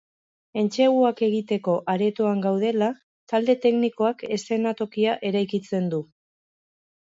Entseguak egiteko aretoan gaudela, talde teknikoak eszenatokia eraikitzen du.